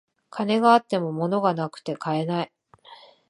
金があっても物がなくて買えない